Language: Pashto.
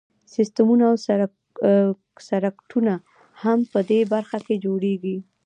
سیسټمونه او سرکټونه هم په دې برخه کې جوړیږي.